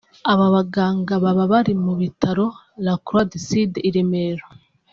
Aba baganga baba bari mu bitaro la Croix du Sud i Remera